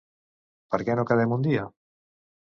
Per què no quedem un dia?